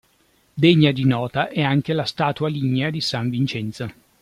Degna di nota è anche la statua lignea di San Vincenzo.